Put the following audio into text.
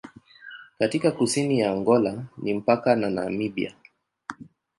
Katika kusini ya Angola ni mpaka na Namibia.